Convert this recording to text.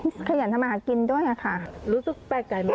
รู้สึกแปลกไก่มันคือว่าน้องเขาโดนทำลายเยอะแล้วทำไมถึงไม่ได้อะไรอย่างนี้ค่ะ